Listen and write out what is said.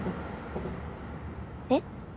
えっ？